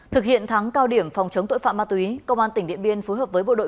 thực hiện thắng cao điểm phòng chống tội phạm ma túy công an tỉnh điện biên phối hợp với bộ đội